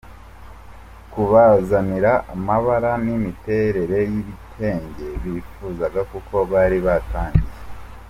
kubazanira amabara n’imiterere y’ibitenge bifuzaga kuko bari batangiye